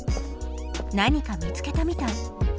何か見つけたみたい。